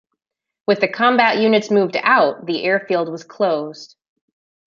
With the combat units moved out, the airfield was closed.